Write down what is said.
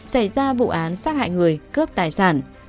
xảy ra vụ án sát hại người cướp tài sản